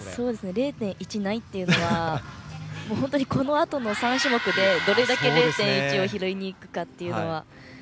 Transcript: ０．１ないというのはこのあとの３種目でどれだけ０．１を拾いに行くかというのは。